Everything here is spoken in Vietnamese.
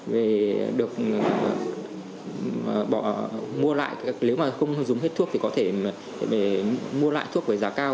về được mua lại nếu mà không dùng hết thuốc thì có thể mua lại thuốc với giá cao